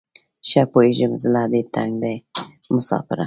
ښه پوهیږم زړه دې تنګ دی مساپره